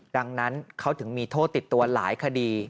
ดังนั้นเขาถึงมีโทษติดตัวหลายคดี